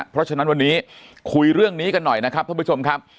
เพราะฉะนั้นวันนี้คุยเรื่องนี้กันหน่อยนะครับท่านผู้ชมครับ